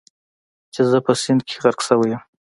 چې زه په سیند کې غرق شوی یم.